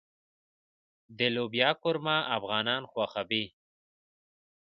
د لوبیا قورمه افغانان خوښوي.